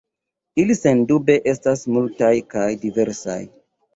Ili sendube estas multaj kaj diversaj.